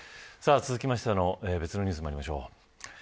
続きまして別のニュースにまいりましょう。